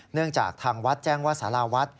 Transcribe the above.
เนื่องจากทางวัดแจ้งว่าสาราวัด